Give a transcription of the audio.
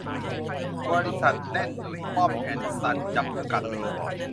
บริษัท แน่นดุจป้อมแอนด์ซันส์ จำกัด